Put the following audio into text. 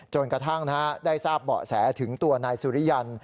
จนกระทั่งได้ทราบเบาะแสถึงตัวนายสุริยัน